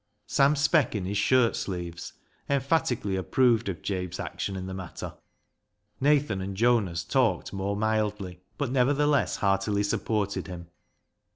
Sam Speck, in his shirt sleeves, emphatically approved of Jabe's action in the matter. Nathan and Jonas talked more mildly, but, nevertheless, heartily supported him.